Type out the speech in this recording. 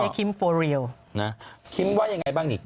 คริมยังไงเนี่ย